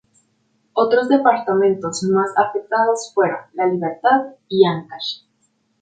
Otros departamentos más afectados fueron La Libertad y Áncash.